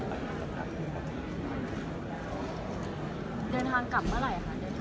เดินทางกลับเมื่อไหร่ค่ะเดินทางกลับไป